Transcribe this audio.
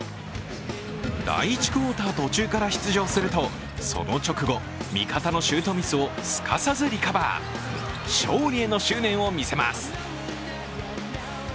第１クオーター途中から出場するとその直後、味方のシュートミスをすかさずリカバー、勝利への執念を見せます。